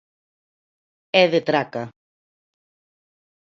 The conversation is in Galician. É de traca.